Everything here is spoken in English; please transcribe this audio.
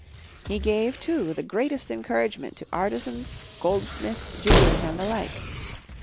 He gave too the greatest encouragement to artisans, goldsmiths, jewelers, and the like.